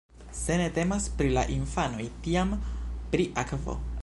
Se ne temas pri la infanoj, tiam pri akvo.